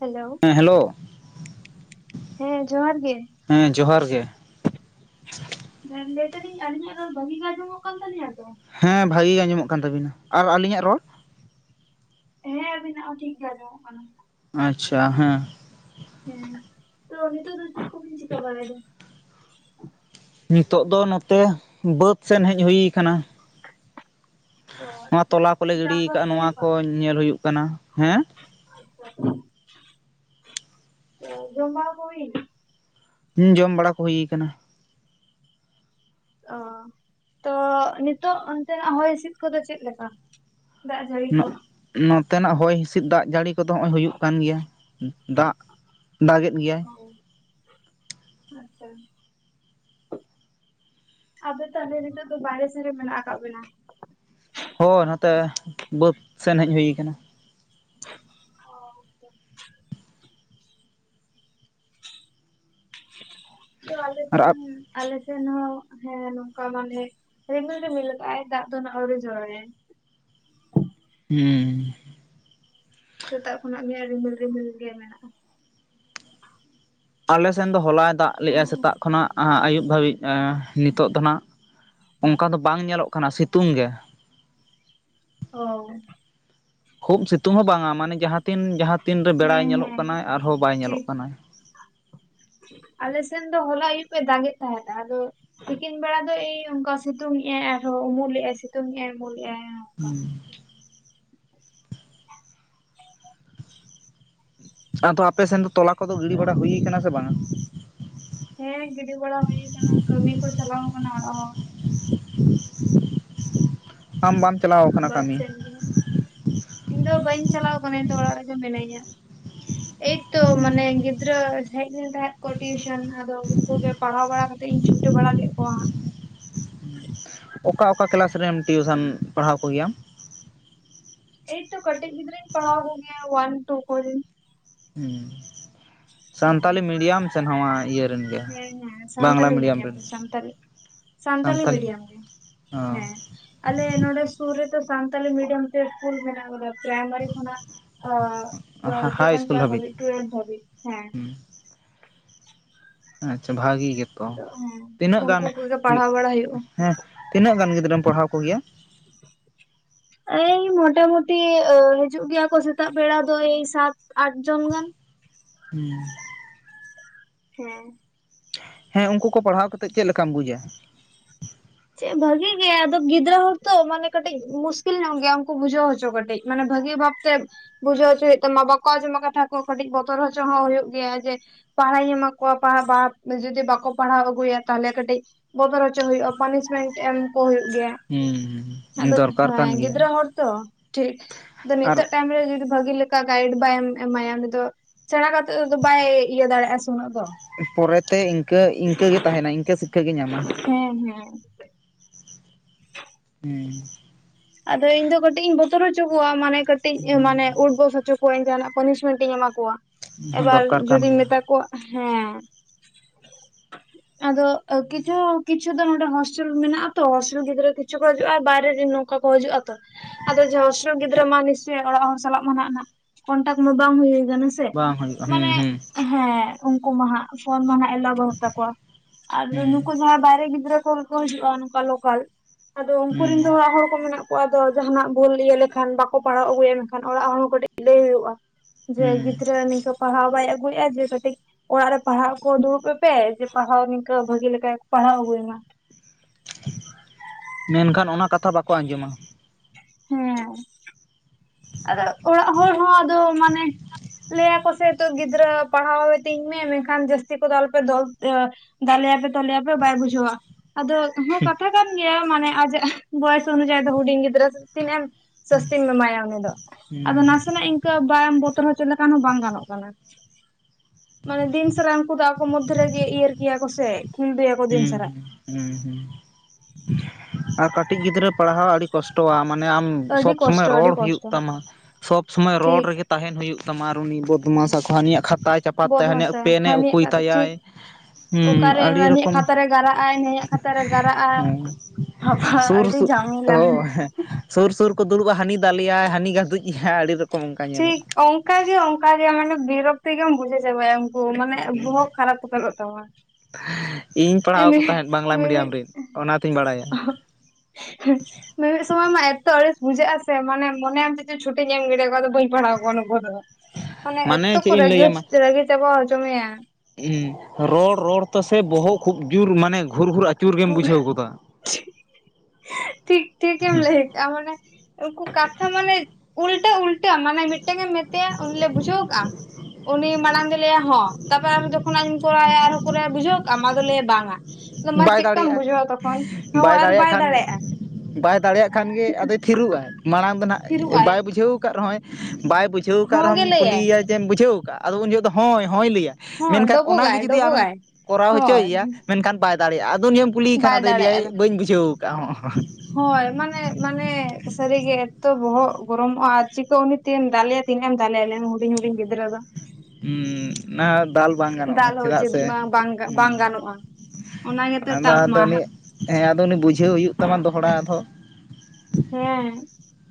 Hello ᱦᱮᱸ hello ᱦᱮᱸ ᱡᱚᱦᱟᱨ ᱜᱮ ᱦᱮᱸ ᱡᱚᱦᱟᱨ ᱜᱮ ᱞᱟᱹᱭ ᱫᱟᱹᱞᱤᱧ ᱟᱹᱞᱤᱧᱟᱜ ᱨᱚᱲ ᱵᱷᱟᱹᱜᱤ ᱜᱮ ᱟᱸᱡᱚᱢᱚᱜ ᱠᱟᱱ ᱛᱟᱞᱤᱧᱟ ᱛᱚ ᱦᱮᱸ ᱵᱷᱟᱜᱮ ᱟᱸᱡᱚᱢᱚᱜ ᱠᱟᱱ ᱛᱟᱹᱵᱤᱱᱟ ᱟᱨ ᱟᱹᱞᱤᱧᱟᱜ ᱨᱚᱲ ᱦᱮᱸ ᱟᱵᱤᱱ ᱦᱚᱸ ᱴᱷᱤᱠ ᱜᱮ ᱟᱸᱡᱚᱢᱚᱜ ᱠᱟᱱᱟ ᱟᱪᱪᱷᱟ ᱦᱮᱸ ᱦᱮᱸ ᱛᱚ ᱱᱤᱛᱚᱜ ᱫᱚ ᱪᱮᱫ ᱠᱚᱵᱤᱱ ᱪᱤᱠᱟᱹ ᱵᱟᱲᱟᱭ ᱮᱫᱼᱟ ᱱᱤᱛᱚᱜ ᱫᱚ ᱱᱚᱛᱮ ᱵᱟᱹᱫᱽ ᱥᱮᱱ ᱦᱮᱡ ᱦᱩᱭ ᱟᱠᱟᱱᱟ ᱚ ᱱᱚᱣᱟ ᱟᱪᱪᱷᱟ ᱛᱚᱞᱟ ᱠᱚᱞᱮ ᱪᱮᱫ ᱜᱤᱲᱤ ᱪᱟᱥᱵᱟᱥ ᱠᱟᱜᱼᱟ ᱱᱚᱣᱟ ᱦᱩᱭᱩᱜ ᱠᱚ ᱧᱮᱞ ᱦᱩᱭᱩᱜ ᱠᱟᱱᱟ ᱦᱮᱸ ᱤᱧ ᱡᱚᱢ ᱵᱟᱲᱟ ᱠᱚ ᱦᱩᱭ ᱮᱱᱟ ᱦᱩᱸ ᱡᱚᱢ ᱵᱟᱲᱟ ᱠᱚ ᱦᱩᱭ ᱠᱟᱱᱟ ᱚ ᱛᱚ ᱱᱤᱛᱚᱜ ᱚᱱᱛᱮᱱᱟᱜ ᱦᱚᱭ ᱦᱤᱥᱤᱫ ᱠᱚᱫᱚ ᱪᱮᱫ ᱞᱮᱠᱟ ᱫᱟᱜ ᱡᱟᱹᱲᱤ ᱠᱚ ᱱᱚᱛᱮᱱᱟᱜ ᱦᱚᱭ ᱦᱤᱸᱥᱤᱫ ᱫᱟᱜ ᱡᱟᱹᱲᱤ ᱠᱚᱫᱚ ᱦᱚᱜᱼᱚᱭ ᱦᱩᱭᱩᱜ ᱠᱟᱱ ᱜᱮᱭᱟ ᱫᱟᱜ ᱫᱟᱜ ᱮᱫ ᱜᱮᱭᱟᱭ ᱚ ᱟᱪᱪᱷᱟ ᱟᱫᱚ ᱛᱟᱦᱞᱮ ᱱᱤᱛᱚᱜ ᱫᱚ ᱵᱟᱦᱨᱮ ᱥᱮᱱ ᱨᱮ ᱢᱮᱱᱟᱜ ᱟᱠᱟᱫ ᱵᱮᱱᱟ ᱦᱳᱭ ᱱᱚᱛᱮ ᱵᱟᱹᱫᱽ ᱥᱮᱱ ᱦᱮᱡ ᱦᱩᱭ ᱟᱠᱟᱱᱟ [unintelligible] ᱛᱚ ᱟᱨ ᱟᱞᱮᱥᱮᱱ ᱟᱞᱮ ᱥᱮᱱ ᱦᱚᱸ ᱦᱮᱸ ᱱᱚᱝᱠᱟ ᱢᱟᱱᱮ ᱨᱤᱢᱤᱞ ᱨᱤᱢᱤᱞ ᱟᱠᱟᱜᱼᱟᱭ ᱫᱟᱜ ᱫᱚ ᱱᱟᱸᱜ ᱟᱹᱣᱨᱤ ᱡᱚᱨᱚᱭᱟᱭ ᱦᱩᱸ ᱥᱮᱛᱟᱜ ᱠᱷᱚᱱᱟᱜ ᱜᱮ ᱨᱤᱢᱤᱞ ᱨᱤᱢᱤᱞ ᱜᱮ ᱢᱮᱱᱟᱜᱼᱟ ᱟᱞᱮ ᱥᱮᱱ ᱫᱚ ᱦᱚᱞᱟᱭ ᱫᱟᱜ ᱞᱮᱜᱼᱟ ᱦᱮᱸ ᱥᱮᱛᱟᱜ ᱠᱷᱚᱱᱟᱜ ᱟᱹᱭᱩᱵ ᱫᱷᱟᱹᱵᱤᱡ ᱱᱤᱛᱚᱜ ᱫᱚ ᱱᱟᱜ ᱚᱱᱠᱟ ᱫᱚ ᱵᱟᱝ ᱧᱮᱞᱚᱜ ᱠᱟᱱᱟ ᱥᱤᱛᱩᱝ ᱜᱮ ᱚ ᱠᱷᱩᱵ ᱥᱤᱛᱩᱝ ᱦᱚᱸ ᱵᱟᱝᱟ ᱢᱟᱱᱮ ᱡᱟᱦᱟᱸ ᱛᱤᱱ ᱡᱟᱦᱟᱸ ᱛᱤᱱᱨᱮ ᱵᱮᱲᱟᱭ ᱦᱮᱸ ᱧᱮᱞᱚᱜ ᱦᱮᱸ ᱠᱟᱱᱟᱭ ᱟᱨᱦᱚᱸ ᱵᱟᱭ ᱧᱮᱞᱚᱜ ᱴᱷᱤᱠ ᱠᱟᱱᱟᱭ ᱟᱞᱮ ᱥᱮᱱ ᱫᱚ ᱦᱚᱞᱟ ᱟᱹᱭᱩᱵᱮ ᱫᱟᱜ ᱮᱫ ᱛᱟᱦᱮᱱᱼᱟ ᱟᱫᱚ ᱛᱤᱠᱤᱱ ᱵᱮᱲᱟ ᱫᱚ ᱮᱭ ᱚᱱᱠᱟ ᱥᱤᱛᱩᱝᱮᱜᱼᱟᱭ ᱟᱨᱦᱚᱸ ᱩᱢᱩᱞᱮᱜᱼᱟᱭ ᱥᱤᱛᱩᱝᱮᱜᱼᱟᱭ ᱩᱢᱩᱞᱮᱜᱼᱟᱭ ᱦᱩᱸ ᱟᱫᱚ ᱟᱯᱮᱥᱱ ᱫᱚ ᱛᱚᱞᱟ ᱠᱚᱫᱚ ᱜᱤᱲᱤ ᱵᱟᱲᱟ ᱦᱩᱭ ᱠᱟᱱᱟ ᱥᱮ ᱵᱟᱝᱟ ᱦᱮᱸ ᱜᱤᱰᱤ ᱵᱟᱲᱟ ᱦᱳᱭ ᱟᱠᱟᱱᱟ ᱠᱟᱹᱢᱤ ᱠᱚ ᱪᱟᱞᱟᱣ ᱟᱠᱟᱱᱟ ᱚᱲᱟᱜ ᱦᱚᱲ ᱟᱢ ᱵᱟᱢ ᱪᱟᱞᱟᱣ ᱠᱟᱱᱟ ᱵᱟᱹᱫ ᱠᱟᱹᱢᱤ ᱥᱮᱱ ᱜᱮ ᱤᱧ ᱫᱚ ᱵᱟᱹᱧ ᱪᱟᱞᱟᱣ ᱟᱠᱟᱱᱟ ᱤᱧ ᱫᱚ ᱚᱲᱟᱜ ᱨᱮᱜᱮ ᱢᱤᱱᱟᱹᱧᱟ ᱮᱭᱛᱚ ᱦᱩᱸ ᱢᱟᱱᱮ ᱜᱤᱫᱽᱨᱟᱹ ᱦᱮᱡ ᱞᱮᱱ ᱛᱟᱦᱮᱸᱫ ᱠᱚ ᱴᱤᱭᱩᱥᱚᱱ ᱟᱫᱚ ᱩᱱᱠᱩ ᱜᱮ ᱯᱟᱲᱦᱟᱣ ᱵᱟᱲᱟ ᱠᱟᱛᱮᱜ ᱤᱧ ᱪᱷᱩᱴᱤ ᱵᱟᱲᱟ ᱠᱮᱫ ᱠᱚᱣᱟ ᱚᱠᱟ ᱚᱠᱟ ᱠᱮᱞᱟᱥ ᱨᱮᱱ ᱴᱤᱭᱩᱥᱚᱱ ᱯᱟᱲᱦᱟᱣ ᱠᱚᱜᱮᱟᱢ ᱮᱭ ᱛᱚ ᱠᱟᱹᱴᱤᱡ ᱜᱤᱫᱽᱨᱟᱹᱧ ᱯᱟᱲᱟᱣ ᱠᱚᱜᱮᱭᱟ ᱚᱣᱟᱱ ᱴᱩ ᱠᱚᱨᱮᱱ ᱦᱮᱸ ᱦᱮᱸ ᱥᱟᱱᱛᱟᱞᱤ ᱢᱤᱰᱤᱭᱟᱢ ᱥᱮ ᱱᱟᱣᱟ ᱤᱭᱮᱨᱮᱱ ᱜᱮ ᱦᱮᱸ ᱦᱮᱸ ᱵᱟᱝᱞᱟ ᱥᱟᱱᱛᱟᱞᱤ ᱢᱤᱰᱤᱭᱟᱢ ᱨᱮᱱ ᱜᱮ ᱥᱟᱱᱛᱟᱞᱤ ᱥᱟᱱᱛᱟᱞᱤ ᱢᱤᱰᱤᱭᱟᱢ ᱨᱮ ᱦᱮᱸ ᱟᱞᱮ ᱱᱚᱰᱮ ᱥᱩᱨ ᱨᱮᱫᱚ ᱥᱟᱱᱛᱟᱞᱤ ᱢᱤᱰᱤᱭᱟᱢ ᱛᱮ ᱤᱥᱠᱩᱞ ᱢᱮᱱᱟᱜ-ᱟ ᱵᱟᱨᱭᱟ ᱯᱨᱟᱭᱢᱟᱨᱤ ᱠᱷᱚᱱᱟᱜ ᱟᱻ ᱚ [unintelligible] ᱦᱟᱭ ᱥᱮᱠᱮᱱᱰ ᱠᱮᱞᱟᱥ ᱫᱷᱟᱹᱵᱤᱡ ᱜᱮ ᱵᱷᱟᱹᱜᱮ ᱦᱩᱸᱻ ᱟᱪᱪᱷᱟ ᱵᱷᱟᱹᱜᱤ ᱜᱮᱛᱚ ᱟᱫᱚ ᱦᱮᱸ ᱛᱤᱱᱟᱹᱜ ᱜᱟᱱ ᱩᱱᱠᱩ ᱠᱚᱜᱮ ᱩᱸᱜ ᱯᱟᱲᱦᱟᱣ ᱵᱟᱲᱟ ᱦᱩᱭᱩᱜᱼᱟ ᱦᱮᱸ ᱛᱤᱱᱟᱹᱜ ᱜᱟᱱ ᱜᱤᱫᱽᱨᱟᱹᱢ ᱯᱟᱲᱦᱟᱣ ᱠᱚᱜᱮᱭᱟ? ᱮᱭ ᱢᱚᱴᱟ ᱢᱩᱸᱴᱤ ᱦᱤᱡᱩᱜ ᱜᱮᱭᱟ ᱠᱚ ᱥᱮᱛᱟᱜ ᱵᱮᱲᱟ ᱫᱚ ᱮᱭ ᱥᱟᱛ ᱟᱴ ᱡᱚᱱ ᱜᱟᱱ᱾ [unintelligible] [unintelligible] ᱦᱮᱸ ᱦᱮᱸ ᱩᱱᱠᱩ ᱠᱚ ᱯᱟᱲᱦᱟᱣ ᱠᱟᱛᱮᱜ ᱪᱮᱫ ᱞᱮᱠᱟᱢ ᱵᱩᱡᱟ ᱪᱮ ᱵᱷᱟᱹᱜᱤ ᱜᱮᱭᱟ ᱟᱫᱚ ᱜᱤᱫᱽᱨᱟᱹ ᱦᱚᱲ ᱛᱚ ᱢᱟᱱᱮ ᱠᱟᱹᱴᱤᱡ ᱢᱩᱥᱠᱤᱞ ᱧᱚᱜ ᱜᱮᱭᱟ ᱩᱱᱠᱩ ᱵᱩᱡᱷᱟᱹᱣ ᱦᱚᱪᱚ ᱠᱟᱹᱴᱤᱡ ᱢᱟᱱᱮ ᱵᱷᱟᱹᱜᱤ ᱵᱷᱟᱵᱛᱮ ᱵᱩᱡᱷᱟᱹᱣ ᱦᱚᱪᱚᱭ ᱦᱩᱭᱩᱜ ᱛᱟᱢᱟ ᱵᱟᱠᱚ ᱟᱸᱡᱚᱢᱟ ᱠᱟᱛᱷᱟ ᱠᱚ ᱠᱟᱹᱴᱤᱡ ᱵᱚᱛᱚᱨ ᱦᱚᱪᱚ ᱦᱚᱸ ᱦᱩᱭᱩᱜ ᱜᱮᱭᱟ ᱡᱮ ᱯᱟᱲᱦᱟᱣ ᱤᱧ ᱮᱢᱟ ᱠᱚᱣᱟ ᱵᱟᱨ ᱵᱟᱨ ᱡᱩᱫᱤ ᱵᱟᱠᱚ ᱯᱟᱲᱦᱟᱣ ᱟᱹᱜᱩᱭᱟ ᱛᱟᱦᱚᱞᱮ ᱠᱟᱹᱴᱤᱡ ᱵᱚᱛᱚᱨᱦᱚᱪᱚ ᱦᱩᱭᱩᱜ-ᱟ ᱯᱟᱱᱤᱥᱢᱮᱱᱴ ᱮᱢ ᱠᱚ ᱦᱩᱭᱩᱜ ᱜᱮᱭᱟ ᱦᱩᱸ ᱟᱫᱚ ᱫᱚᱨᱠᱟᱨ ᱠᱟᱱ ᱦᱮᱸ ᱜᱮᱭᱟ ᱜᱤᱫᱽᱨᱟᱹ ᱦᱚᱲ ᱛᱚ ᱴᱷᱤᱠ᱾ ᱡᱮ ᱟᱨ ᱱᱤᱛᱚᱜ ᱴᱟᱭᱤᱢ ᱨᱮ ᱡᱩᱫᱤ ᱵᱷᱟᱹᱜᱤ ᱞᱮᱠᱟ ᱜᱟᱭᱤᱰ ᱵᱟᱭ ᱮᱢᱟᱭᱟ ᱩᱱᱤ ᱫᱚ ᱥᱮᱬᱟ ᱠᱟᱛᱮ ᱵᱟᱭ ᱤᱭᱟᱹ ᱫᱟᱲᱮᱭᱟᱜᱼᱟ, ᱥᱮ ᱩᱱᱟᱹᱜ ᱫᱚ ᱯᱚᱨᱮᱛᱮ ᱤᱱᱠᱟᱹ ᱤᱱᱠᱟᱹᱜᱮ ᱛᱟᱦᱮᱱᱟᱭ ᱤᱱᱠᱟᱹ ᱥᱤᱠᱠᱷᱟᱹ ᱜᱮ ᱧᱟᱢᱟᱭ᱾ ᱦᱮᱸ ᱦᱮᱸ᱾ ᱦᱩᱸ ᱟᱫᱚ ᱤᱧ ᱫᱚ ᱠᱟᱹᱴᱤᱡ ᱤᱧ ᱵᱚᱛᱚᱨ ᱦᱚᱪᱚ, ᱠᱚᱣᱟ ᱢᱟᱱᱮ ᱠᱟᱹᱴᱤᱡ ᱢᱟᱱᱮ ᱩᱰᱵᱚᱥ ᱦᱚᱪᱚ ᱠᱚᱣᱟ ᱤᱧ ᱡᱟᱦᱟᱱᱟᱜ ᱯᱟᱱᱤᱥᱢᱮᱱᱴ ᱤᱧ ᱮᱢᱟ ᱠᱚᱣᱟ, ᱦᱩᱸ ᱮᱵᱟᱨ ᱫᱚᱨᱠᱟᱨ ᱠᱟᱱ ᱡᱩᱫᱤᱧ ᱜᱮᱭᱟ ᱢᱮᱛᱟ ᱠᱚᱣᱟ ᱦᱮᱸ ᱟᱫᱚ ᱠᱤᱪᱷᱩ ᱠᱤᱪᱷᱩ ᱫᱚ ᱱᱚᱰᱮ ᱦᱚᱥᱴᱮᱞ ᱢᱮᱱᱟᱜᱼᱟ ᱛᱚ, ᱦᱚᱥᱴᱮᱞ ᱜᱤᱫᱽᱨᱟᱹ ᱠᱤᱪᱷᱩ ᱠᱚ ᱦᱤᱡᱩᱜᱼᱟ ᱵᱟᱦᱨᱮ ᱠᱚ ᱠᱚ ᱦᱤᱡᱩᱜᱼᱟ ᱛᱚ, ᱟᱫᱚ ᱡᱟᱦᱟ ᱦᱳᱥᱴᱮᱞ ᱜᱤᱫᱽᱨᱟᱹ ᱢᱟ ᱱᱤᱥᱪᱚᱭᱭ ᱚᱲᱟᱜ ᱦᱚᱲ ᱥᱟᱞᱟᱜᱢᱟ ᱱᱟᱜ ᱢᱟ ᱠᱚᱱᱴᱟᱠ ᱢᱟ ᱵᱟᱝ ᱦᱩᱭ ᱠᱟᱱᱟ ᱛᱮ ᱵᱟᱝ ᱦᱩᱭᱩᱜᱼᱟ ᱦᱩᱸ ᱢᱟᱱᱮ ᱦᱩᱸ ᱦᱮᱸ ᱩᱱᱠᱩ ᱢᱟᱦᱟᱜ ᱯᱷᱳᱱ ᱢᱟ ᱦᱟᱸᱜ ᱮᱞᱟᱣ ᱵᱟᱹᱱᱩᱜ ᱛᱟᱠᱚᱣᱟ, ᱟᱨ ᱦᱩᱸ ᱱᱩᱠᱩ ᱡᱟᱦᱟᱸᱭ ᱵᱟᱭᱨᱮ ᱜᱤᱫᱽᱨᱟᱹ ᱠᱚ ᱠᱚ ᱦᱤᱡᱩᱜᱼᱟ ᱠᱚ ᱱᱚᱝᱠᱟ ᱞᱚᱠᱟᱞ ᱟᱫᱚ ᱩᱱᱠᱩ ᱦᱩᱸ ᱨᱮᱱ ᱫᱚ ᱚᱲᱟᱜ ᱦᱚᱲ ᱢᱮᱱᱟᱜ ᱠᱚᱣᱟ ᱟᱫᱚ ᱡᱟᱦᱟᱱᱟᱜ ᱵᱚᱱ ᱞᱟᱹᱭ ᱞᱮᱠᱷᱟᱱ ᱵᱟᱠᱚ ᱯᱟᱲᱦᱟᱣ ᱟᱹᱜᱩᱭᱟ ᱱᱟᱠᱷᱟᱱ ᱚᱲᱟᱜ ᱦᱚᱲ ᱦᱚᱸ ᱠᱟᱹᱴᱤᱡ ᱞᱟᱹᱭ ᱦᱩᱭᱩᱜᱼᱟ᱾ ᱡᱮ ᱦᱩᱸ ᱜᱤᱫᱽᱨᱟᱹ ᱱᱤᱝᱠᱟᱹ ᱯᱟᱲᱦᱟᱣ ᱵᱟᱭ ᱟᱹᱜᱩᱭᱮᱫᱼᱟ ᱡᱮ ᱠᱟᱹᱴᱤᱡ ᱚᱲᱟᱜ ᱨᱮ ᱯᱟᱲᱦᱟᱣ ᱠᱚ ᱫᱩᱲᱩᱵᱮᱯᱮ ᱡᱮ ᱯᱟᱲᱦᱟᱣ ᱱᱤᱝᱠᱟᱹ ᱵᱷᱟᱜᱤ ᱞᱮᱠᱟᱭ ᱯᱟᱲᱦᱟᱣ ᱟᱹᱜᱩᱭ ᱢᱟ᱾ ᱢᱮᱱᱠᱷᱟᱱ ᱚᱱᱟ ᱠᱟᱛᱷᱟ ᱵᱟᱠᱚ ᱟᱸᱡᱚᱢᱟ᱾ ᱦᱮᱸ ᱟᱫᱚ ᱚᱲᱟᱜ ᱦᱚᱲ ᱦᱚᱸ ᱟᱫᱚ ᱢᱟᱱᱮ ᱞᱟᱹᱭᱟᱠᱚ ᱥᱮ ᱱᱤᱛᱚᱜ ᱜᱤᱫᱽᱨᱟᱹ ᱯᱟᱲᱦᱟᱣᱛᱤᱧ ᱢᱮ ᱢᱮᱱᱠᱷᱟᱱ ᱡᱟᱹᱥᱛᱤ ᱠᱚᱫᱚ ᱟᱞᱚᱯᱮ ᱫᱚᱞ ᱮ ᱫᱟᱞᱮᱭᱟᱯᱮ ᱛᱚᱞᱮᱭᱟᱯᱮ ᱵᱟᱭ ᱵᱩᱡᱷᱟᱹᱣᱟ᱾ ᱟᱫᱚ ᱦᱚᱸ ᱠᱟᱛᱷᱟ ᱠᱟᱱ ᱜᱮᱭᱟ ᱢᱟᱱᱮ ᱟᱡᱟᱜ ᱵᱚᱭᱮᱥ ᱚᱱᱩᱡᱟᱭᱤ ᱫᱚ ᱦᱩᱰᱤᱧ ᱜᱤᱫᱽᱨᱟᱹ ᱛᱤᱱᱟᱹᱜ ᱮᱢ ᱥᱟᱹᱥᱛᱤᱢ ᱮᱢᱟᱭᱟ ᱩᱱᱤ ᱫᱚ, ᱟᱫᱚ ᱦᱩᱸ ᱱᱟᱥᱮᱱᱟᱜ ᱤᱱᱠᱟᱹ ᱵᱟᱢ ᱵᱚᱛᱚᱨ ᱦᱚᱪᱚ ᱞᱮᱠᱷᱟᱱ ᱦᱚᱸ ᱵᱟᱝ ᱜᱟᱱᱚᱜ ᱠᱟᱱᱟ᱾ ᱢᱟᱱᱮ ᱫᱤᱱ ᱥᱟᱞᱟᱜ ᱩᱱᱠᱩ ᱫᱚ ᱟᱵᱚ ᱢᱚᱫᱽᱫᱷᱮ ᱨᱮᱜᱮ ᱤᱭᱟᱹᱨᱠᱤᱭᱟ ᱠᱚ ᱥᱮ, ᱠᱷᱤᱞᱰᱩᱭᱟᱠᱚ ᱫᱤᱱ ᱦᱩᱸ ᱥᱟᱨᱟ ᱦᱩᱸ ᱦᱩᱸ ᱦᱩᱸ ᱟᱨ ᱠᱟᱹᱴᱤᱡ ᱜᱤᱫᱽᱨᱟᱹ ᱯᱟᱲᱦᱟᱣ ᱟᱹᱰᱤ ᱠᱚᱥᱴᱚᱭᱟ ᱢᱟᱱᱮ ᱟᱢ ᱟᱹᱰᱤ ᱥᱚᱵᱽ ᱥᱚᱢᱚᱭ ᱠᱚᱥᱴᱚ ᱟᱹᱰᱤ ᱨᱚᱲ ᱦᱩᱭᱩᱜ ᱠᱚᱥᱴᱚ ᱛᱟᱢᱟ, ᱥᱚᱵᱽ ᱥᱚᱢᱚᱭ ᱨᱚᱲ ᱴᱷᱤᱠ ᱨᱮᱜᱮ ᱛᱟᱦᱮᱱ ᱦᱩᱭᱩᱜ ᱛᱟᱢᱟ ᱟᱨ ᱩᱱᱤ ᱵᱚᱫᱢᱟᱥᱟ ᱠᱷᱟᱡ ᱦᱟᱱᱤᱭᱟᱜ ᱠᱷᱟᱛᱟᱭ ᱪᱟᱯᱟᱫ ᱦᱟᱹᱱᱤᱭᱟᱜ ᱵᱚᱫᱢᱟᱥᱟᱭ ᱯᱮᱱ ᱮ ᱩᱠᱩᱭ ᱦᱟᱹᱱᱤᱭᱟᱜ ᱴᱷᱤᱠ ᱛᱟᱭᱟᱭ ᱦᱩᱸ ᱚᱠᱟᱨᱮ ᱟᱹᱰᱤ ᱨᱚᱠ ᱦᱟᱹᱱᱤᱭᱟᱜ ᱠᱷᱟᱛᱟ ᱨᱮ ᱜᱟᱨᱟᱜ ᱟᱭ ᱱᱩᱭᱟᱜ ᱠᱷᱟᱛᱟ ᱨᱮ ᱜᱟᱨᱟᱜᱼᱟ ᱦᱮᱸ [unintelligible] ᱟᱹᱰᱤ ᱡᱷᱚᱢᱞ᱾ ᱦᱮ ᱥᱩᱨ ᱥᱩᱨ ᱠᱚ ᱫᱩᱲᱩᱵᱼᱟ ᱦᱟᱹᱱᱤ ᱫᱟᱞᱮᱭᱟᱭ ᱦᱟᱱᱤ ᱜᱟᱹᱫᱡ ᱟᱹᱰᱤ ᱨᱚᱠ ᱴᱷᱤᱠ ᱚᱝᱠᱟ ᱚᱝᱠᱟ ᱢᱟᱱᱮ ᱵᱤᱨᱚᱠᱛᱤᱠ ᱵᱩᱹᱡᱷᱟᱣ ᱩᱱᱠᱩ ᱢᱟᱱᱮ ᱵᱚᱦᱚᱜ ᱠᱷᱟᱨᱟᱯ ᱩᱛᱟᱨ ᱛᱟᱢᱟ᱾ ᱤᱧ ᱯᱟᱲᱦᱟᱣ ᱠᱚ ᱛᱟᱦᱮᱸᱫ ᱵᱟᱝᱞᱟ ᱢᱤᱰᱤᱭᱟᱢ ᱢᱤᱢᱤᱫ ᱨᱮᱱ ᱚᱱᱟᱛᱤᱧ ᱵᱟᱲᱟᱭᱟ᱾ [unintelligible] ᱢᱤᱢᱤᱫ ᱥᱚᱢᱚᱭ ᱢᱟ ᱮᱛᱚ ᱟᱹᱲᱤᱥ ᱵᱩᱡᱷᱟᱹᱜᱼᱟ ᱥᱮ ᱢᱟᱱᱮ ᱢᱚᱱᱮᱭᱟᱢ ᱪᱮᱫ ᱪᱷᱩᱴᱤᱧ ᱮᱢ ᱜᱤᱰᱤᱭᱟ ᱠᱚᱣᱟ ᱟᱫᱚ ᱵᱟᱹᱧ ᱯᱟᱲᱦᱟᱣ ᱠᱚᱣᱟ ᱱᱩᱠᱩ ᱫᱚ᱾ ᱢᱟᱱᱮ ᱮᱛᱚ ᱠᱚ ᱪᱮᱫ ᱤᱧ ᱨᱟᱜᱤ ᱪᱟᱵᱟ ᱦᱚᱪᱚ ᱢᱮᱭᱟ᱾ ᱩᱸ ᱨᱚᱲ ᱨᱚᱲ ᱛᱮᱥᱮ ᱵᱚᱦᱚᱜ ᱠᱷᱩᱵ ᱡᱳᱨ ᱢᱟᱱᱮ ᱜᱷᱩᱨ ᱜᱷᱩᱨ ᱟ ᱪᱩᱨ ᱜᱮᱢ ᱵᱩᱡᱷᱟᱹᱣ ᱜᱚᱫᱟ᱾ ᱴᱷᱤᱠ ᱴᱷᱤᱠᱮᱢ ᱞᱟᱹᱭ ᱢᱟᱱᱮ ᱩᱱᱠᱩ ᱠᱟᱛᱷᱟ ᱢᱟᱱᱮ ᱩᱞᱴᱟ ᱩᱞᱴᱟ ᱢᱟᱱᱮ ᱢᱤᱫ ᱢᱤᱫᱴᱟᱝ ᱮᱢ ᱢᱮᱛᱟᱭᱟ ᱩᱱᱤ ᱞᱮᱭᱟ ᱵᱩᱡᱷᱟᱹᱣ ᱠᱟᱜᱼᱟᱢ? ᱩᱱᱤ ᱢᱟᱲᱟᱝ ᱫᱚᱭ ᱞᱟᱹᱭᱟ ᱦᱚᱸ, ᱛᱟᱨᱯᱚᱨ ᱡᱚᱠᱷᱚᱱᱟᱜ ᱢᱮᱛᱟᱭᱟ ᱟᱨᱦᱚᱸ ᱠᱚᱨᱟᱣ ᱵᱩᱡᱷᱟᱹᱣ ᱠᱟᱜᱼᱟ ᱟᱫᱚ ᱞᱟᱹᱭ ᱵᱟᱝ-ᱟ᱾ ᱢᱟ ᱵᱟᱭ ᱪᱮᱫᱠᱟᱢ ᱫᱟᱲᱮᱭᱟᱜᱼᱟᱭ ᱵᱩᱡᱷᱟᱹᱣ-ᱟ ᱛᱚᱠᱷᱚᱱ, ᱦᱚᱸ ᱟᱨ ᱫᱟᱲᱮᱭᱟᱜ ᱵᱟᱭ ᱠᱷᱟᱱ ᱜᱮ ᱫᱟᱲᱮᱭᱟᱜᱼᱟ᱾ ᱵᱟᱭ ᱫᱟᱲᱮᱭᱟᱜ ᱠᱷᱟᱱ ᱜᱮ ᱟᱫᱚᱭ ᱛᱷᱤᱨᱚᱜ ᱟᱭ ᱢᱟᱲᱟᱝ ᱫᱚ ᱦᱟᱜ ᱛᱷᱤᱨᱚᱜ ᱟᱭ ᱵᱟᱭ ᱵᱩᱡᱷᱟᱹᱣ ᱟᱠᱟᱫ ᱨᱮᱦᱚᱸᱭ ᱵᱟᱭ ᱵᱩᱡᱷᱟᱹᱣ ᱠᱟᱫ ᱦᱚᱸ ᱜᱮ ᱨᱮᱦᱚᱸᱦᱚᱢ ᱞᱟᱹᱭᱟᱭ ᱠᱩᱞᱤᱭᱮᱭᱟ ᱡᱮᱢ ᱵᱩᱡᱷᱟᱹᱣ ᱠᱟᱫ ᱟᱫᱚ ᱩᱱ ᱡᱚᱦᱚᱜ ᱫᱚ ᱦᱳᱭ ᱦᱳᱭ ᱞᱟᱹᱭ-ᱟ ᱦᱚᱸ ᱢᱮᱱᱠᱷᱟᱱ ᱚᱱᱟᱜᱮ ᱰᱚᱵᱚᱜᱟᱭ ᱡᱩᱫᱤ ᱟᱢᱮᱢ ᱰᱚᱵᱚᱜᱟᱭ ᱠᱚᱨᱟᱣ ᱦᱳᱭ ᱦᱚᱪᱚᱭᱮᱭ-ᱟ ᱢᱮᱱᱠᱷᱟᱱ ᱵᱟᱭ ᱫᱟᱲᱮᱭᱟᱜᱼᱟ ᱟᱫᱚ ᱱᱤᱭᱟᱹᱢ ᱠᱩᱞᱤᱭᱮ ᱠᱷᱟᱱ ᱵᱟᱭ ᱟᱫᱚᱭ ᱞᱟᱹᱭ ᱟᱭ ᱫᱟᱲᱮᱭᱟᱜᱼᱟ ᱵᱟᱹᱧ ᱵᱩᱡᱷᱟᱹᱣ ᱟᱠᱟᱫᱼᱟ ᱦᱚᱸ ᱦᱳᱭ ᱢᱟᱱᱮ ᱢᱟᱱᱮ ᱥᱟᱹᱨᱤ ᱜᱮ ᱮᱛᱚ ᱵᱚᱦᱚᱜ ᱜᱚᱨᱚᱢᱚᱜᱼᱟ ᱟᱨ ᱪᱤᱠᱟᱹᱜ ᱩᱱᱤ ᱛᱤᱹ ᱮᱢ ᱫᱟᱞᱮᱭᱟᱭ ᱛᱤᱱᱟᱹᱜ ᱮᱢ ᱫᱟᱞᱮᱭᱟᱞᱮᱢ ᱦᱩᱰᱤᱧ ᱦᱩᱰᱤᱧ ᱜᱤᱫᱽᱨᱟᱹ ᱫᱚ ᱦᱩᱸ ᱫᱟᱞ ᱦᱚᱸ ᱪᱮᱫ ᱵᱟᱝ ᱵᱟᱝ ᱵᱟᱝ ᱜᱟᱱᱚᱜᱼᱟ ᱚᱱᱟᱜᱮᱛᱚ ᱟᱫᱚ ᱴᱟᱯ ᱟᱫᱚ ᱢᱟ ᱩᱱᱤ ᱦᱮᱸ ᱟᱫᱚ ᱩᱱᱤ ᱵᱩᱡᱷᱟᱹᱣ ᱦᱩᱭᱩᱜ ᱛᱟᱢᱟ ᱫᱚᱦᱲᱟ ᱟᱫᱚ ᱦᱮᱸ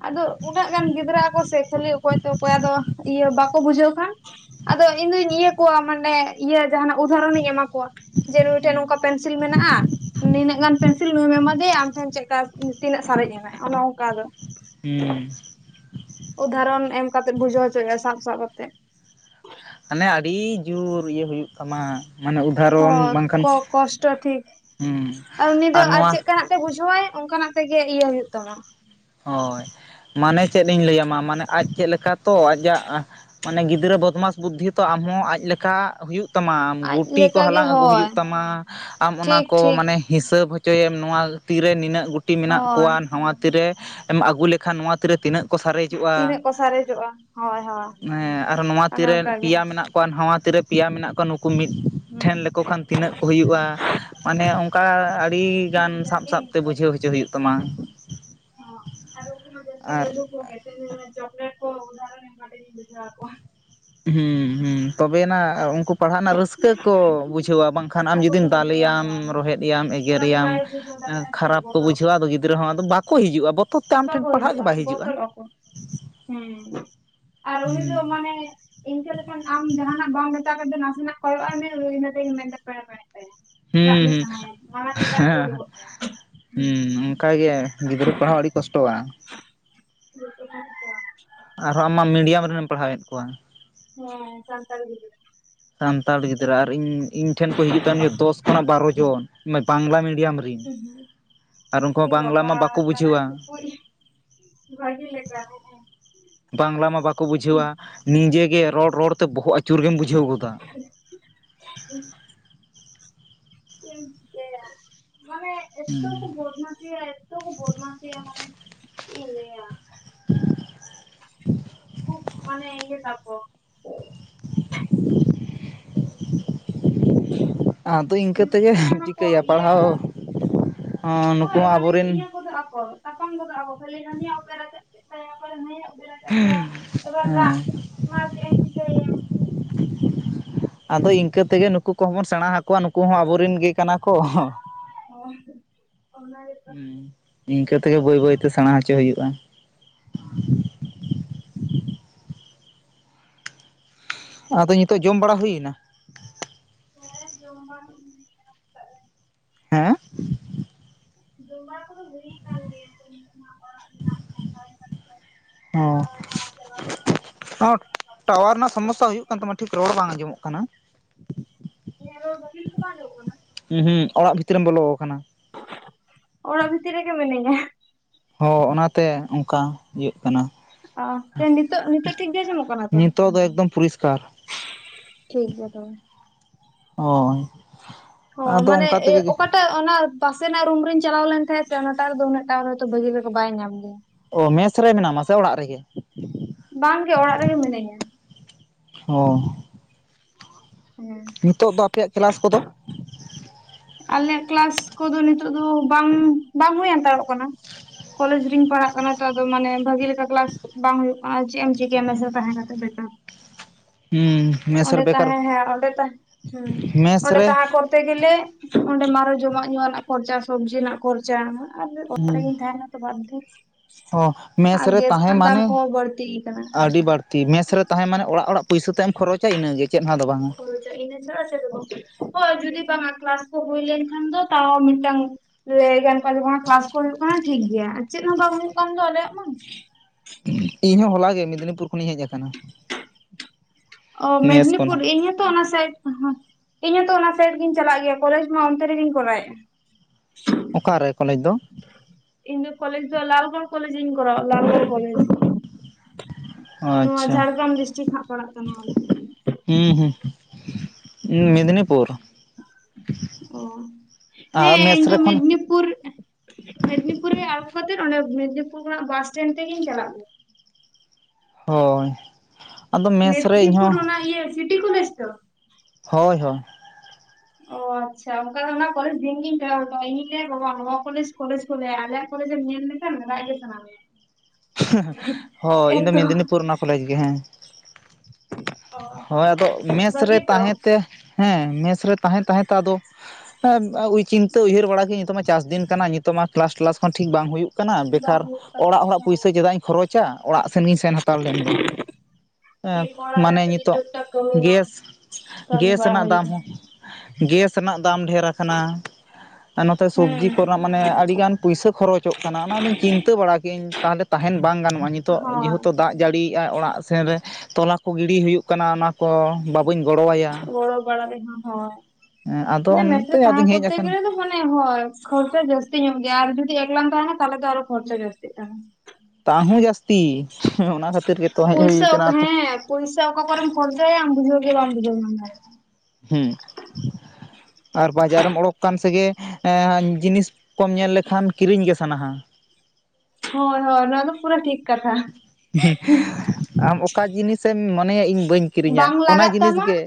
ᱟᱫᱚ ᱩᱱᱟᱹᱜ ᱜᱟᱱ ᱜᱤᱫᱽᱨᱟᱹ ᱟᱠᱚ ᱥᱮ ᱠᱷᱟᱹᱞᱤ ᱚᱠᱚᱭ ᱚᱠᱚᱭᱟᱜ ᱫᱚ ᱤᱭᱟᱹ ᱵᱟᱠᱚ ᱵᱩᱡᱷᱟᱹᱣ ᱠᱷᱟᱱ ᱟᱫᱚ ᱤᱧ ᱫᱩᱧ ᱤᱭᱟᱹ ᱠᱚᱣᱟ ᱢᱟᱱᱮ ᱤᱭᱟᱹ ᱡᱟᱦᱟᱱᱟᱜ ᱩᱫᱟᱦᱚᱨᱚᱱ ᱤᱧ ᱮᱢᱟ ᱠᱚᱣᱟ ᱡᱮ ᱱᱩᱭ ᱴᱷᱮᱱ ᱱᱚᱝᱠᱟ ᱯᱮᱱ ᱯᱮᱱᱥᱤᱞ ᱢᱮᱱᱟᱜᱼᱟ ᱱᱤᱱᱟᱹᱜ ᱜᱟᱱ ᱯᱮᱱᱥᱤᱞ ᱱᱩᱭᱮᱢ ᱮᱢᱟ ᱫᱮᱭᱟ ᱟᱢ ᱴᱷᱮᱱ ᱪᱮᱫᱠᱟ ᱛᱤᱱᱟᱹᱜ ᱥᱟᱨᱮᱡ ᱮᱱᱟ ᱚᱱᱮ ᱚᱱᱠᱟ ᱟᱫᱚ ᱦᱮᱸ ᱩᱫᱟᱦᱚᱨᱚᱱ ᱮᱢ ᱠᱟᱛᱮᱫ ᱵᱩᱡᱷᱟᱹᱣᱪᱚᱭᱮᱼᱟ ᱥᱟᱵ ᱥᱟᱵ ᱠᱟᱛᱮᱫ ᱢᱟᱱᱮ ᱟᱹᱰᱤ ᱡᱳᱨ ᱤᱭᱟᱹ ᱦᱩᱭᱩᱜ ᱛᱟᱢᱟ ᱢᱟᱱᱮ ᱩᱫᱟᱦᱚᱨᱚᱱ ᱦᱳᱭ ᱵᱟᱝᱠᱷᱟᱱ ᱠᱚᱥᱴᱚ ᱴᱷᱤᱠ ᱦᱩᱸ ᱟᱨ ᱩᱱᱤ ᱫᱚ ᱟᱨ ᱪᱮᱫ ᱞᱮᱠᱟᱱᱟᱜ ᱵᱩᱡᱷᱟᱹᱣᱟᱭ ᱚᱱᱠᱟᱱᱟᱜ ᱛᱮᱜᱮ ᱤᱭᱟᱹ ᱦᱩᱭᱳᱜ ᱛᱟᱢᱟ ᱦᱳᱭ ᱢᱟᱱᱮ ᱪᱮᱫ ᱤᱧ ᱞᱟᱹᱭ-ᱟ ᱢᱟ ᱢᱟᱱᱮ ᱟᱡ ᱪᱮᱫ ᱞᱮᱠᱟ ᱛᱚ ᱟᱡᱟᱜ ᱢᱟᱱᱮ ᱜᱤᱫᱽᱨᱟᱹ ᱵᱚᱫᱽᱢᱟᱥ ᱵᱩᱫᱽᱫᱷᱤ ᱛᱚ ᱟᱢᱦᱚᱸ ᱟᱡ ᱞᱮᱠᱟ ᱦᱩᱭᱩᱜ ᱛᱟᱢᱟ ᱟᱢ ᱟᱡ ᱜᱩᱴᱤ ᱠᱚ ᱞᱮᱠᱟᱜᱮ ᱦᱟᱞᱟᱝ ᱟᱹᱜᱩ ᱦᱳᱭ ᱦᱩᱭᱩᱜ ᱛᱟᱢᱟ ᱟᱢ ᱚᱱᱟ ᱴᱷᱤᱠ ᱠᱚ ᱴᱷᱤᱠ ᱢᱟᱱᱮ ᱦᱤᱥᱟᱹᱵᱽ ᱦᱚᱪᱚᱭᱮᱢ ᱱᱚᱣᱟ ᱛᱤᱨᱮ ᱱᱤᱱᱟᱹᱜ ᱜᱩᱴᱤ ᱢᱮᱱᱟᱜ ᱦᱳᱭ ᱠᱚᱣᱟ ᱱᱚᱣᱟ ᱛᱤᱨᱮ ᱮᱢ ᱟᱹᱜᱩ ᱞᱮᱠᱷᱟᱱ ᱱᱚᱣᱟ ᱛᱤ ᱛᱤᱱᱟᱹᱜ ᱠᱚ ᱥᱟᱨᱮᱡᱚᱜᱼᱟ ᱛᱤᱱᱟᱹᱜ ᱠᱚ ᱥᱟᱨᱮᱡᱚᱜᱼᱟ ᱦᱳᱭ ᱦᱳᱭ ᱟᱨ ᱱᱚᱣᱟ ᱚᱱᱮ ᱛᱤᱨᱮ ᱚᱱᱠᱟ ᱜᱮ ᱯᱮᱭᱟ ᱢᱮᱱᱟᱜ ᱠᱚᱣᱟ ᱠᱚᱣᱟ ᱱᱟᱣᱟ ᱛᱤᱨᱮ ᱯᱮᱭᱟ ᱢᱮᱱᱟᱜ ᱠᱚᱣᱟ ᱱᱩᱠᱩ ᱢᱤᱫ ᱦᱩᱸ ᱴᱷᱮᱱ ᱞᱮᱠᱚ ᱠᱷᱟᱱ ᱛᱤᱱᱟᱹᱜ ᱦᱩᱭᱩᱜᱼᱟ ᱢᱟᱱᱮ ᱚᱱᱠᱟ ᱟᱹᱰᱤ ᱜᱟᱱ ᱤᱱᱠᱟ ᱥᱟᱵ ᱜᱮ ᱥᱟᱵ ᱛᱮ ᱤᱱᱠᱟ ᱜᱮ ᱵᱩᱡᱷᱟᱹᱣ ᱦᱚᱪᱚ ᱦᱩᱭᱩᱜ ᱛᱟᱢᱟ ᱟᱨ [unintelligible] ᱪᱚᱠᱞᱮᱴ ᱠᱚ ᱩᱫᱟᱦᱚᱨᱚᱱ ᱮᱢ ᱠᱟᱛᱮ ᱤᱧ ᱵᱩᱡᱷᱟᱹᱣ-ᱟ ᱟᱠᱚ ᱟ ᱦᱩ ᱦᱩᱸ ᱛᱚᱵᱮᱱᱟ ᱩᱱᱠᱩ ᱯᱟᱲᱦᱟᱜ ᱨᱮᱱᱟᱜ ᱨᱟᱹᱥᱠᱟᱹ ᱨᱟᱹᱥᱠᱟᱹ ᱠᱚ ᱵᱩᱡᱷᱟᱹᱣᱟ ᱵᱟᱝᱠᱷᱟᱱ ᱟᱢ ᱟᱠᱚ ᱠᱚ ᱡᱩᱫᱤᱢ ᱵᱩᱡᱷᱟᱹᱣᱟ ᱫᱟᱞᱮᱭᱟᱢ ᱦᱳᱭ ᱨᱚᱦᱮᱫᱮᱭᱟᱢ ᱚᱱᱟ ᱫᱚ ᱮᱜᱮᱨᱮᱭᱟᱢ ᱵᱟᱭ ᱵᱩᱡᱷᱟᱹᱣ ᱫᱟᱲᱮᱭᱟᱜᱼᱟ ᱥᱮ ᱠᱷᱟᱨᱟᱯ ᱠᱚ ᱵᱚᱛᱚᱨᱚᱜ ᱵᱩᱡᱷᱟᱹᱟᱹᱜᱼᱟ ᱟᱫᱚ ᱜᱤᱫᱽᱨᱟᱹ ᱦᱚᱸ ᱟᱫᱚ ᱵᱟᱠᱚ ᱦᱤᱡᱩᱜᱼᱟ ᱛᱮ ᱟᱢ ᱵᱟᱠᱚ ᱴᱷᱮᱱ ᱯᱟᱲᱦᱟᱜ ᱜᱮ ᱦᱤᱡᱩᱜᱼᱟ ᱵᱟᱭ ᱵᱚᱛᱚᱨᱚᱜ ᱟᱠᱚ ᱦᱮᱸ ᱟᱨ ᱩᱱᱤ ᱦᱩᱸ ᱫᱚ ᱢᱟᱱᱮ ᱤᱱᱠᱟᱹ ᱞᱮᱠᱷᱟᱱ ᱟᱢ ᱡᱟᱦᱟ ᱱᱟᱜ ᱵᱟᱢ ᱢᱮᱛᱟᱭ ᱨᱮ ᱫᱚ ᱱᱟᱥᱮ ᱱᱟᱜ ᱠᱚᱭᱚᱜᱼᱟᱭ ᱢᱮ ᱤᱱᱟᱹ ᱛᱮ ᱜᱮ ᱢᱮᱫ ᱫᱟᱜ ᱯᱮᱲᱮ ᱯᱮᱲᱮᱜ ᱛᱟᱭᱟ ᱨᱟᱜ ᱦᱩᱸ ᱜᱮ ᱦᱩᱸ ᱥᱟᱱᱟᱭᱟ ᱢᱟᱲᱟᱝ ᱨᱮ ᱨᱟᱜ ᱜᱮ ᱦᱮᱸ ᱩᱰᱩᱠᱚᱜ ᱛᱟᱭᱟ ᱦᱩᱸ ᱚᱱᱠᱟ ᱜᱮ ᱜᱤᱫᱽᱨᱟᱹ ᱯᱟᱲᱦᱟᱣ ᱟᱹᱰᱤ ᱠᱚᱥᱴᱚᱣᱟ [unintelligible] ᱟᱨ ᱦᱚᱸ ᱟᱢ ᱢᱟ ᱢᱤᱰᱤᱭᱟᱢ ᱨᱮᱱ ᱮᱢ ᱯᱟᱲᱦᱟᱣ-ᱮᱫ ᱠᱚᱣᱟ ᱦᱮᱸ ᱥᱟᱱᱛᱟᱲᱤ ᱜᱤᱫᱽᱨᱟᱹ ᱥᱟᱱᱛᱟᱲ ᱜᱤᱫᱽᱨᱟᱹ ᱟᱨ ᱤᱧ ᱤᱧ ᱴᱷᱮᱱ ᱠᱚ ᱦᱤᱡᱩᱜ ᱛᱟᱦᱮᱱ ᱫᱚᱥ ᱠᱷᱚᱱᱟᱜ ᱵᱟᱨᱚ ᱡᱚᱱ ᱵᱟᱝᱞᱟ ᱢᱤᱰᱤᱭᱟᱢ ᱨᱮᱱ ᱟᱨ ᱩᱱ ᱠᱩ ᱮ ᱦᱚᱸ ᱵᱟᱝᱞᱟ ᱵᱟᱵᱟ ᱢᱟ ᱵᱟᱠᱚ ᱛᱟᱨᱟᱭ ᱵᱩᱡᱷᱟᱹᱣᱟ ᱴᱩᱠᱩᱡ [unintelligible] ᱵᱟᱝᱞᱟ ᱢᱟ ᱵᱟᱠᱚ ᱵᱩᱡᱷᱟᱹᱣᱟ ᱱᱤᱡᱮ ᱨᱚᱲ ᱨᱚᱲᱛᱮ ᱵᱚᱦᱚᱜ ᱟᱹᱪᱩᱨ ᱜᱮᱢ ᱵᱩᱡᱷᱟᱹᱣ ᱜᱚᱫᱟ ᱪᱮᱫ ᱮᱢ ᱪᱤᱠᱟᱹᱭᱟ [unintelligible] ᱢᱟᱱᱮ ᱮᱛᱚ ᱠᱚ ᱵᱚᱫᱢᱟ ᱥᱤᱭᱟ ᱮᱛᱚ ᱠᱚ ᱵᱚᱫᱢᱟᱥᱤᱭᱟ ᱢᱟᱱᱮ ᱪᱮᱫ ᱤᱧ ᱞᱟᱹᱭ-ᱟ ᱾ ᱠᱷᱩᱵ ᱢᱟᱱᱮ ᱤᱭᱟᱹ ᱛᱟᱠᱚ ᱾ ᱟᱫᱚ ᱤᱱᱠᱟᱹ ᱢᱤᱫ ᱛᱮ ᱜᱮᱢ ᱥᱚᱢᱚᱭ ᱢᱟᱠᱚ ᱪᱤᱠᱟᱹᱭᱟ ᱤᱭᱟᱹ ᱯᱟᱲᱦᱟᱣ ᱦᱚᱸ ᱱᱩ ᱠᱩ ᱦᱳᱭ ᱦᱚᱸ ᱟᱵᱚ ᱨᱮᱱ [unintelligible] ᱛᱟᱯᱟᱢ ᱜᱚᱫᱚᱜ ᱟᱠᱚ ᱠᱷᱟᱹᱞᱤ ᱦᱟᱱᱤᱭᱟᱜ ᱱᱟᱹᱭ ᱟᱜ ᱩᱯ ᱮ ᱦᱮᱸ ᱨᱟᱪᱟᱜ ᱠᱮᱫ ᱛᱟᱭᱟ [unintelligible] ᱟᱫᱚ ᱤᱱᱠᱟᱹ ᱛᱮ ᱜᱮ ᱱᱩᱠᱩ ᱠᱚᱦᱚᱸ ᱵᱚᱱ ᱥᱮᱬᱟ ᱟᱠᱚᱣᱟ ᱱᱩᱠᱩ ᱦᱚᱸ ᱟᱵᱚ ᱨᱮᱱ ᱜᱮ ᱠᱟᱱᱟ ᱠᱚ ᱚᱱᱟ ᱜᱮᱛᱚ ᱦᱩᱸ ᱤᱱᱠᱟᱹ ᱛᱮ ᱠᱤᱱᱛᱩ ᱜᱮ ᱵᱟᱹᱭ ᱵᱟᱹᱭ ᱛᱮ ᱢᱟᱱᱮ ᱥᱮᱬᱟ ᱦᱚᱪᱚ ᱦᱩᱭᱩᱜᱼᱟ ᱟᱫᱚ ᱱᱤᱛᱳᱜ ᱡᱚᱢ ᱵᱟᱲᱟ ᱦᱩᱭᱱᱟ ᱦᱮᱸ ᱡᱚᱢ ᱵᱟᱲᱟ ᱫᱚ ᱦᱩᱭ ᱠᱟᱱᱟ [unintelligible] [unintelligible] ᱡᱚᱢ ᱵᱟᱲᱟ ᱠᱚᱫᱚ ᱦᱩᱭ ᱠᱟᱱ ᱜᱮᱭᱟ ᱾ ᱚᱸᱻ᱾ ᱴᱟᱣᱟᱨ ᱨᱮᱱᱟᱜ ᱥᱚᱢᱚᱥᱥᱟ ᱦᱩᱭᱩᱜ ᱠᱟᱱ ᱛᱟᱢᱟ ᱴᱷᱤᱠ ᱨᱚᱲ ᱵᱟᱝ ᱟᱸᱡᱚ ᱢᱚᱜ ᱠᱟᱱᱟ ᱾ ᱤᱧᱟᱜ ᱨᱚᱲ ᱵᱷᱟᱜᱮ ᱞᱮᱠᱟ ᱵᱟᱝ ᱟᱡᱚ ᱢᱚᱜ ᱠᱟᱱᱟ ᱩᱦᱩᱸᱜ ᱚᱲᱟᱜ ᱵᱷᱤᱛᱤᱨ ᱨᱮᱢ ᱵᱚᱞᱚ ᱟᱠᱟᱱᱟ ᱾ ᱚᱲᱟ ᱵᱷᱤᱛᱤᱨ ᱨᱮ ᱜᱮ ᱢᱤᱱᱟᱹᱧᱟ ᱾ ᱚ ᱚᱱᱟᱛᱮ ᱚᱱᱠᱟ ᱤᱭᱟᱹᱜ ᱠᱟᱱᱟ ᱾ ᱚ ᱱᱤᱛᱚᱜ ᱱᱤᱛᱚᱜ ᱴᱷᱤᱠ ᱜᱮ ᱟᱡᱚ ᱢᱚᱜ ᱠᱟᱱᱟ ᱛᱚ ᱾ ᱱᱤᱛᱚᱜ ᱫᱚ ᱮᱠᱫᱚᱢ ᱯᱚᱨᱤᱥᱠᱟᱨ ᱴᱷᱤᱠ ᱜᱮᱭᱟ ᱛᱚ ᱵᱮ ᱦᱳᱭ ᱦᱳᱭ ᱟᱫᱚ ᱢᱟᱱᱮ ᱚᱱᱠᱟ ᱛᱮᱜᱮ ᱚᱠᱟ ᱴᱟᱜ ᱚᱱᱟ ᱯᱟᱥᱮ ᱱᱟᱜ ᱨᱩᱢ ᱨᱤᱧ ᱪᱟᱞᱟᱣ ᱞᱮᱱ ᱛᱟᱦᱮᱸᱡ ᱥᱮ ᱚᱱᱟ ᱴᱟᱜ ᱨᱮ ᱫᱚ ᱩᱱᱟᱹᱜ ᱴᱟᱜ ᱨᱮ ᱫᱚ ᱩᱱᱟᱹᱜ ᱴᱟ ᱵᱷᱟᱹᱜᱤ ᱞᱮᱠᱚ ᱵᱟᱭ ᱧᱟᱢ ᱜᱮᱭᱟ ᱾ ᱚ ᱢᱮᱥ ᱨᱮ ᱢᱮᱱᱟ ᱢᱟ ᱥᱮ ᱚᱲᱟᱜ ᱨᱮ ᱜᱮ ᱵᱟᱝᱜᱮ ᱚᱲᱟᱜ ᱨᱮᱜᱮ ᱢᱤᱱᱟᱹᱧᱟ ᱦᱚᱸ [unintelligible] ᱱᱤᱛᱚᱜ ᱫᱚ ᱟᱯᱮ ᱭᱟᱜ ᱠᱮᱞᱟᱥ ᱠᱚ ᱫᱚ ᱟᱞᱮᱭᱟᱜ ᱠᱮᱞᱟᱥ ᱠᱚᱫᱚ ᱱᱤᱛᱚᱜ ᱫᱚ ᱵᱟᱝ ᱵᱟᱝ ᱦᱩᱭ ᱦᱟᱛᱟᱲᱚᱜ ᱠᱟᱱᱟ ᱾ ᱠᱚᱞᱮᱡ ᱨᱤᱧ ᱯᱟᱲᱦᱟᱜ ᱠᱟᱱᱟ ᱛᱚ ᱟᱫᱚ ᱢᱟᱱᱮ ᱵᱷᱟᱜᱤ ᱞᱮᱠᱟ ᱠᱮᱞᱟᱥ ᱵᱟᱝ ᱦᱩᱭᱩᱜ ᱠᱟᱱᱟ ᱢᱮᱥ ᱨᱮ ᱛᱟᱦᱮᱸ ᱠᱟᱛᱮ ᱵᱮᱠᱟᱨ ᱦᱩᱸ ᱢᱮᱥ ᱚᱸᱰᱮ ᱨᱮ ᱵᱮᱠᱟᱨ ᱛᱟᱦᱮᱸ ᱦᱮᱸ ᱚᱸᱰᱮ ᱛᱟᱦᱮᱸ ᱦᱩᱸ ᱢᱮᱥ ᱚᱸᱰᱮ ᱨᱮ [unintelligible] ᱛᱮ ᱜᱮ ᱞᱮ ᱚᱸᱰᱮ ᱟᱨᱚ ᱡᱚᱢ-ᱟᱜ ᱧᱩ ᱨᱮᱱᱟᱜ ᱠᱷᱚᱨᱪᱟ ᱥᱚᱵᱽᱡᱤ ᱨᱮᱱᱟᱜ ᱠᱷᱚᱨᱪᱟ ᱾ [unintelligible] ᱦᱚ ᱢᱮᱥ ᱨᱮ ᱛᱟᱦᱮᱸ ᱢᱟᱱᱮ ᱵᱟᱹᱲᱛᱤ ᱟᱠᱟᱱᱟ ᱟᱹᱰᱤ ᱵᱟᱹᱲᱤ ᱛᱤ ᱢᱮᱥ ᱨᱮ ᱛᱟᱦᱮᱸ ᱢᱟᱱᱮ ᱚᱲᱟᱜ ᱚᱲᱟᱜ ᱯᱩᱭᱥᱟᱹᱛᱮᱢ ᱠᱷᱚᱨᱚᱪ-ᱟ ᱤᱱᱟᱹᱜᱮ ᱪᱮᱫ ᱦᱚ ᱟᱫᱚ ᱵᱟᱝ-ᱟ ᱾ ᱦᱳᱭ ᱤᱱᱟᱹ ᱪᱷᱟᱲᱟ [unintelligible] ᱪᱮᱫ ᱦᱚ ᱵᱟᱝ ᱦᱳᱭ ᱡᱩᱫᱤ ᱠᱮᱞᱟᱥ ᱠᱚ ᱦᱩᱭ ᱞᱮᱱ ᱠᱷᱟᱱ ᱫᱚ ᱛᱟᱣ ᱢᱤᱫᱴᱟᱝ ᱞᱟᱹᱭ ᱜᱟᱱ ᱠᱚ ᱠᱮᱞᱟᱥ ᱠᱚ ᱦᱩᱭᱩᱜ ᱠᱟᱱᱟ ᱴᱷᱤᱠ ᱜᱮᱭᱟ ᱟᱨ ᱪᱮᱫ ᱦᱚᱸ ᱵᱟᱝ ᱦᱩᱭᱩᱜ ᱠᱟᱱ ᱫᱚ ᱟᱞᱮ ᱭᱟᱜ ᱢᱟ ᱾ ᱤᱧ ᱦᱚᱸ ᱦᱚᱞᱟ ᱜᱮ ᱢᱮᱫᱽᱱᱤᱯᱩᱨ ᱠᱷᱚᱱᱤᱧ ᱦᱮᱡ ᱟᱠᱟᱱᱟ ᱚ ᱢᱮᱥ ᱢᱮᱫᱽᱱᱤᱯᱩᱨ ᱠᱷᱚᱱᱟᱜ ᱤᱧ ᱦᱚᱛᱚ ᱚᱱᱟ ᱥᱟᱭᱤᱰ ᱤᱧ ᱦᱚᱸᱛᱚ ᱚᱱᱟ ᱥᱟᱭᱤᱰ ᱜᱤᱧ ᱪᱟᱞᱟᱜ ᱜᱮᱭᱟ ᱠᱚᱞᱮᱡᱽ ᱢᱟ ᱚᱱᱛᱮ ᱨᱮᱜᱤᱧ ᱠᱚᱨᱟᱣᱮ - ᱟ ᱾ ᱚᱠᱟᱨᱮ ᱠᱚᱞᱮᱡᱽ ᱫᱚ ᱾ ᱤᱧ ᱫᱚ ᱠᱚᱞ ᱫᱚ ᱞᱟᱞᱜᱚᱲ ᱠᱚᱞᱮᱡᱽ ᱤᱧ ᱠᱚᱨᱟᱣᱟ ᱞᱟᱞᱜᱚᱲ ᱠᱚᱞᱮᱡᱽ ᱱᱚᱣᱟ ᱟᱪᱷᱟ ᱡᱷᱟᱲᱜᱨᱟᱢ ᱰᱤᱥᱴᱤᱠ ᱦᱟᱸᱜ ᱯᱟᱲᱟᱜ ᱠᱟᱱᱟ ᱦᱩᱸ ᱦᱩᱸ ᱢᱮᱫᱽᱱᱤᱯᱩᱨ ᱚ ᱟᱨ ᱦᱮᱸ ᱢᱮᱥ ᱤᱧ ᱫᱚ ᱨᱮ ᱠᱷᱚᱱ ᱢᱮᱫᱽᱱᱤᱯᱩᱨ ᱯᱩᱨ ᱢᱮᱫᱽᱱᱤᱯᱩᱨ ᱨᱮ ᱟᱲᱜᱚ ᱠᱟᱛᱮᱫ ᱚᱸᱰᱮ ᱢᱮᱫᱽᱱᱤᱯᱩᱨ ᱠᱷᱚᱱᱟᱜ ᱵᱟᱥ ᱴᱮᱱ ᱛᱮᱜᱤᱧ ᱪᱟᱞᱟᱜ ᱜᱮᱭᱟ ᱾ ᱦᱳᱭ ᱟᱫᱚ ᱢᱮᱥ ᱨᱮ ᱤᱧᱦᱚᱸ ᱢᱮᱫᱽᱱᱤᱯᱩᱨ ᱚᱱᱟ [unintelligible] ᱦᱚᱭ ᱦᱚᱭ ᱚ ᱟᱪᱪᱷᱟ ᱚᱱᱠᱟ ᱚᱱᱟ ᱠᱚᱞᱡᱽ ᱫᱤᱱ ᱜᱤᱧ ᱠᱚᱭᱚᱜ ᱦᱚᱴᱚ ᱟᱜ-ᱟ ᱤᱧ-ᱤᱧ ᱞᱟᱹᱭᱟ ᱵᱟᱵᱟ ᱱᱚᱣᱟ ᱠᱚᱞᱡᱽ ᱠᱚᱞᱮᱡᱽ ᱪᱮᱫ ᱠᱚ ᱞᱟᱹᱭᱟ ᱟᱞᱮᱭᱟᱜ ᱠᱚᱞᱮᱡᱽᱮᱢ ᱧᱮᱞ ᱞᱮᱱᱠᱷᱟᱱ ᱨᱟᱜ ᱜᱮ ᱥᱟᱱᱟᱢᱮᱭᱟ ᱦᱳᱭ ᱤᱧ ᱫᱚ ᱢᱮᱫᱽᱱᱤᱯᱩᱨ ᱚᱱᱟ ᱠᱚᱞᱮᱡᱽ ᱜᱮ ᱦᱮᱸ ᱚ ᱦᱳᱭ ᱟᱫᱚ ᱢᱮᱥ ᱨᱮ ᱵᱷᱟᱹᱜᱤ ᱛᱚ ᱛᱟᱦᱮᱸ ᱛᱮ ᱦᱮᱸ ᱢᱮᱥ ᱨᱮ ᱛᱟᱦᱮᱸ ᱛᱟᱦᱮᱸ ᱛᱮ ᱟᱫᱚ ᱪᱤᱱᱛᱟᱹ ᱩᱭᱦᱟᱹᱨ ᱵᱟᱲᱟ ᱠᱤᱫᱟᱧ ᱱᱤᱛᱚᱜ ᱢᱟ ᱪᱟᱥᱫᱤᱱ ᱠᱟᱱᱟ ᱾ ᱛᱚ ᱢᱟ ᱠᱮᱞᱟᱥ ᱠᱮᱞᱟᱥ ᱦᱚᱸ ᱴᱷᱤᱠ ᱵᱟᱝ ᱦᱩᱭᱩᱜ ᱠᱟᱱᱟ ᱵᱟᱝ ᱵᱮᱠᱟᱨ ᱦᱩᱭᱩᱜ ᱚᱲᱟᱜ ᱦᱚᱲᱟᱜ ᱠᱟᱱᱟ ᱯᱩᱭᱥᱟᱹ ᱪᱮᱫᱟᱜ ᱤᱧ ᱠᱷᱚᱨᱚᱪᱟ ᱚᱲᱟᱜ ᱥᱮᱱ ᱜᱮᱧ ᱥᱮᱱ ᱦᱟᱛᱟᱲ ᱞᱮᱱ ᱜᱮ ᱴᱷᱤᱠ ᱚᱲᱟᱜ ᱨᱮ ᱢᱟᱱᱮ ᱠᱟᱹᱴᱤᱡ ᱱᱤᱛᱚᱜ ᱴᱩᱠ ᱴᱟᱠ ᱠᱟᱹᱢᱤ ᱦᱚᱸ ᱜᱮᱥ ᱠᱟᱹᱢᱤ ᱜᱮᱥ ᱵᱟᱲᱟ ᱨᱮᱱᱟᱜ ᱫᱟᱢ ᱦᱩᱭᱩᱜᱼᱟ ᱦᱚᱸ ᱜᱮᱥ ᱨᱮᱱᱟᱜ ᱫᱟᱢ ᱰᱷᱮᱨ ᱟᱠᱟᱱᱟ ᱱᱚᱛᱮ ᱥᱚᱵᱡᱤ ᱦᱮᱸ ᱠᱚᱨᱮᱱᱟᱜ ᱢᱟᱱᱮ ᱟᱹᱰᱤᱜᱟᱱ ᱯᱩᱭᱥᱟᱹ ᱠᱷᱚᱨᱚᱪᱚᱜ ᱠᱟᱱᱟ ᱚᱱᱟᱫᱚᱧ ᱪᱤᱱᱛᱟᱹ ᱵᱟᱲᱟ ᱠᱮᱫ ᱟᱧ ᱛᱟᱦᱚᱞᱮ ᱛᱟᱦᱮᱸᱱ ᱵᱟᱝ ᱜᱟᱱᱚᱜᱼᱟ ᱱᱤᱛᱚᱜ ᱦᱳᱭ ᱡᱮᱦᱮᱛᱩ ᱫᱟᱜ ᱡᱟᱹᱲᱤᱭᱼᱟ ᱚᱲᱟᱜ ᱥᱮᱱ ᱨᱮ ᱛᱚᱞᱟ ᱠᱚ ᱜᱤᱰᱤ ᱦᱩᱭᱩᱜ ᱠᱟᱱᱟ ᱚᱱᱟ ᱠᱚ ᱵᱟᱹᱧ ᱜᱚᱲᱚ ᱟᱭᱟ ᱜᱚᱲ ᱵᱟᱲᱟ ᱨᱮᱦᱚᱸ ᱦᱚᱭ ᱟᱫᱚ ᱢᱟᱱᱮ ᱚᱱᱛᱮ ᱢᱮᱥᱨᱮ ᱛᱟᱦᱮᱸ ᱟᱫᱚᱧ ᱦᱮᱡ ᱠᱚᱨᱛᱮ ᱟᱠᱟᱱᱟ ᱜᱮᱞᱮ ᱫᱚ ᱢᱟᱱᱮ ᱦᱳᱭ ᱠᱷᱚᱨᱪᱟ ᱡᱟᱹᱥᱛᱤ ᱧᱚᱜ ᱜᱮᱭᱟ ᱟᱨ ᱡᱩᱫᱤ ᱮᱠᱞᱟ ᱛᱟᱦᱮᱸᱱᱟ ᱛᱟᱦᱚᱞᱮ ᱟᱨᱚ ᱠᱷᱚᱨᱪᱟ ᱡᱟᱹᱥᱛᱤᱜ ᱛᱟ ᱛᱟᱦᱩᱸ ᱡᱟᱹᱥᱛᱤ ᱚᱱᱟ ᱠᱷᱟᱹᱛᱤᱨ ᱜᱮᱛᱚ ᱦᱮᱡ ᱦᱩᱭ ᱟᱠᱟᱱᱟ ᱟᱛᱩ ᱯᱚᱭᱥᱟ ᱚᱠᱟ ᱠᱚᱨᱮᱢ ᱠᱷᱚᱨᱪᱟᱭᱟ ᱟᱢ ᱵᱩᱡᱷᱟᱹᱣ ᱜᱮ ᱵᱟᱢ ᱵᱩᱡᱷᱟᱹᱣ ᱧᱟᱢ ᱫᱟᱲᱮᱭᱟᱜᱟ ᱦᱩ ᱟᱨ ᱵᱟᱡᱟᱨᱮᱢ ᱚᱰᱳᱚᱠ ᱠᱟᱱ ᱥᱮᱜᱮ ᱡᱤᱱᱤᱥ ᱠᱚᱢ ᱧᱮᱞ ᱞᱮᱠᱷᱟᱱ ᱠᱤᱨᱤᱧ ᱜᱮ ᱥᱟᱱᱟᱣᱟ ᱦᱳᱭ ᱦᱳᱭ ᱱᱚᱣᱟ ᱫᱚ ᱯᱩᱨᱟᱹ ᱴᱷᱤᱠ ᱠᱟᱛᱷᱟ ᱟᱢ ᱚᱠᱟ ᱡᱤᱱᱤᱥᱮᱢ ᱢᱚᱱᱮᱭᱟ ᱤᱧ ᱵᱟᱹᱧ ᱠᱤᱨᱤᱧᱟ ᱵᱟᱝ ᱚᱱᱟ ᱞᱟᱜᱟᱜ ᱡᱤᱱᱤᱥ ᱛᱟᱢᱟ ᱜᱮ